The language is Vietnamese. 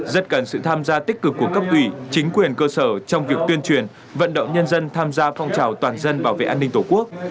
rất cần sự tham gia tích cực của cấp ủy chính quyền cơ sở trong việc tuyên truyền vận động nhân dân tham gia phong trào toàn dân bảo vệ an ninh tổ quốc